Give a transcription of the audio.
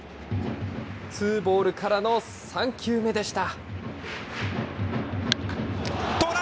ツーボールからの３球目でした。